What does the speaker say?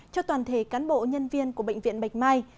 cho toàn thể cán bộ nhân viên của bệnh viện bạch mai